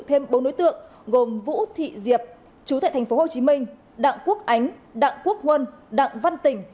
thêm bốn đối tượng gồm vũ thị diệp chú tại tp hcm đặng quốc ánh đặng quốc huân đặng văn tỉnh